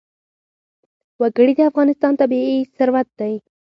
وګړي د افغانستان طبعي ثروت دی.